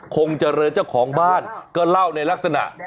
คงเจริญเจ้าของบ้านก็เล่าในลักษณะ